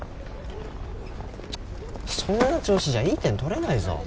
チッそんな調子じゃいい点取れないぞ